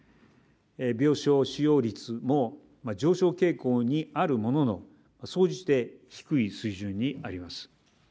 病床使用率も上昇傾向にあるものの、総じて低い水準にあります。